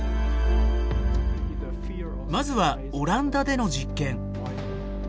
まずはオランダでの実験。